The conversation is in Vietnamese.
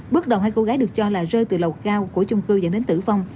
bước đầu hai cô gái được cho là rơi từ lầu gao của chung cư dẫn đến tử vong